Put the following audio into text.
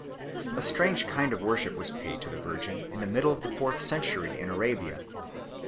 A strange kind of worship was paid to the Virgin in the middle of the fourth century in Arabia.